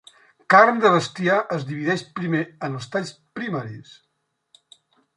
Carn de bestiar es divideix primer en els talls primaris.